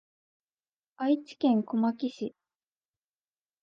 愛知県小牧市